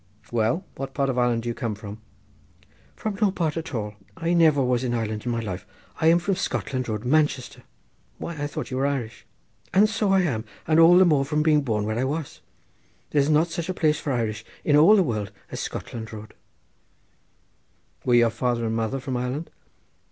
Well, what part of Ireland do you come from?" "From no part at all. I never was in Ireland in my life. I am from Scotland Road, Manchester." "Why, I thought you were Irish!" "And so I am; and all the more from being born where I was. There's not such a place for Irish in all the world as Scotland Road." "Were your father and mother from Ireland?"